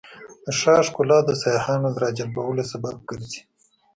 د ښار ښکلا د سیاحانو د راجلبولو سبب ګرځي.